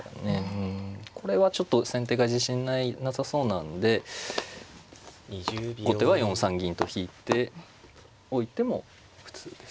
これはちょっと先手が自信なさそうなので後手は４三銀と引いておいても普通です。